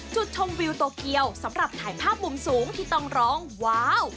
จุดชมวิวโตเกียวสำหรับถ่ายภาพมุมสูงที่ต้องร้องว้าว